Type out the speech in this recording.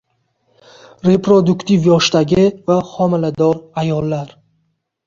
Reproduktiv yoshdagi va homilador ayollar